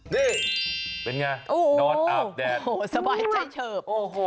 นี่เป็นไงนอนอาบแดดโอ้โหสบายใจเฉิบโอ้โห